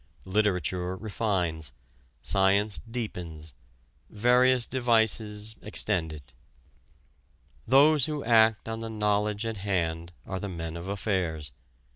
Literature refines, science deepens, various devices extend it. Those who act on the knowledge at hand are the men of affairs.